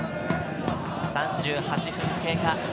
３８分経過。